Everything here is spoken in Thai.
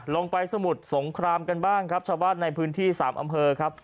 ลงไปสมุดสงครามกันบ้างชาวบ้านในพื้นที่๓อำเภอครับ